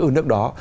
ở nước đó